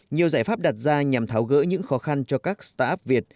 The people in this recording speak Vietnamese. nhiều giải pháp đặt ra nhằm tháo gỡ những khó khăn cho các start up việt